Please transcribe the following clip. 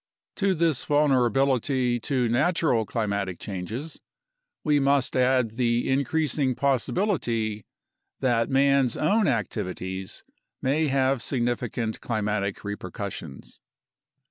To this vul nerability to natural climatic changes we must add the increasing possibility that man's own activities may have significant climatic reper cussions.